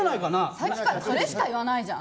さっきからそれしか言わないじゃん。